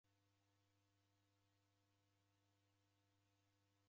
Dedealikwa kwa w'eni Mwashumbe.